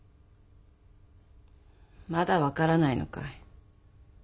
まだ分からないのかい？